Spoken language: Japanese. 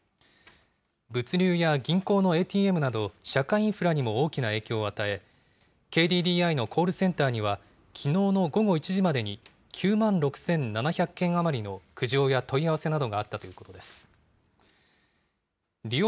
物流や銀行のＡＴＭなど、社会インフラにも大きな影響を与え、ＫＤＤＩのコールセンターには、きのうの午後１時までに、９万６７００件余りの苦情や問い合わせなどがあったということです。